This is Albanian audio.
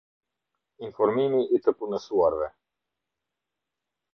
Informimi i të punësuarve.